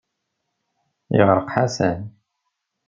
Yeɣreq Ḥasan.